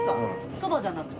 そばじゃなくて？